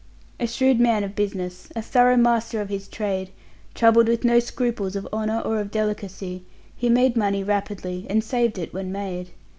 A shrewd man of business, a thorough master of his trade, troubled with no scruples of honour or of delicacy, he made money rapidly, and saved it when made.